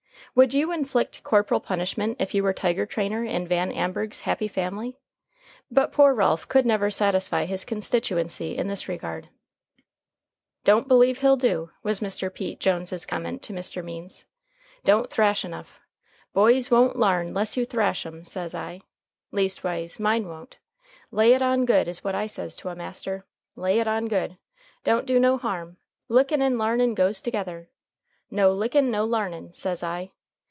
Would you inflict corporal punishment if you were tiger trainer in Van Amburgh's happy family? But poor Ralph could never satisfy his constituency in this regard. "Don't believe he'll do," was Mr. Pete Jones's comment to Mr. Means. "Don't thrash enough. Boys won't l'arn 'less you thrash 'em, says I. Leastways, mine won't. Lay it on good is what I says to a master. Lay it on good. Don't do no harm. Lickin' and l'arnin' goes together. No lickin', no l'arnin', says I.